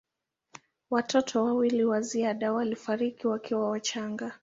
Watoto wawili wa ziada walifariki wakiwa wachanga.